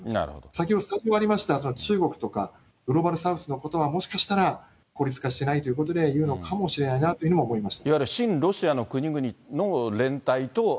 先ほどがありました中国とかグローバルサウスのことは、もしかしたら孤立化してないということでいうのかもしれないなというふうにも思います。